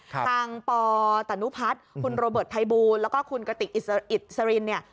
ทางปตนุพัฒน์คุณโรเบิร์ตภัยบูลแล้วก็คุณกติกอิสรินเนี่ย